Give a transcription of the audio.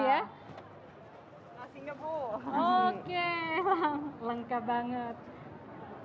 ini udah cantik banget lagi ini untuk ide restoran menggunakan piring seperti ini ya bu ya